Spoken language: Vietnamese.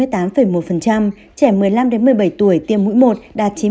trẻ một mươi năm đến một mươi bảy tuổi tiêm mũi một đạt chín mươi chín hai